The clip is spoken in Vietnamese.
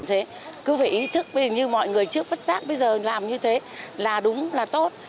thế cứ phải ý thức bây như mọi người trước vứt sát bây giờ làm như thế là đúng là tốt